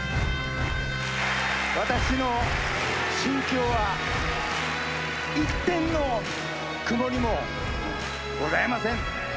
私の心境は、一点の曇りもございません。